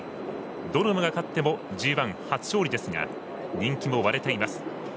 どの馬が勝ってもＧＩ初勝利ですが人気も割れています。